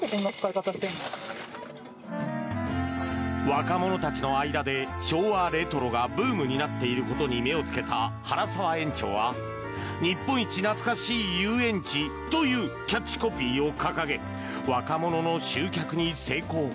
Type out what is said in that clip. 若者たちの間で昭和レトロがブームになっていることに目をつけた原澤園長は「にっぽんいちなつかしいゆうえんち」というキャッチコピーを掲げ若者の集客に成功。